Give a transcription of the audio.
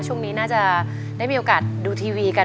ช่วงนี้น่าจะได้มีโอกาสดูทีวีกัน